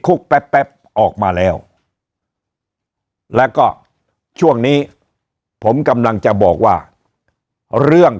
แป๊บออกมาแล้วแล้วก็ช่วงนี้ผมกำลังจะบอกว่าเรื่อง